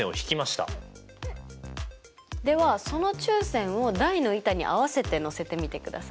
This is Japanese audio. ではその中線を台の板に合わせてのせてみてください。